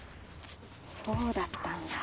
そうだったんだ。